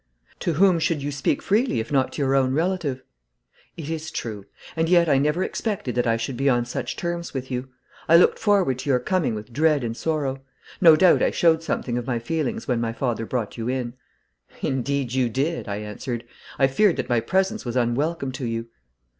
'To whom should you speak freely if not to your own relative?' 'It is true; and yet I never expected that I should be on such terms with you. I looked forward to your coming with dread and sorrow. No doubt I showed something of my feelings when my father brought you in.' 'Indeed you did,' I answered. 'I feared that my presence was unwelcome to you.'